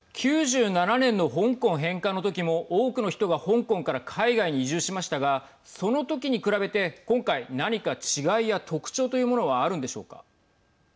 ９７年の香港返還のときも多くの人が香港から海外に移住しましたがそのときに比べて今回、何か違いや特徴というものはあるんでしょうか。